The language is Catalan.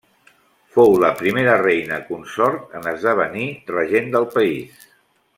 Fou la primera reina consort en esdevenir regent del país.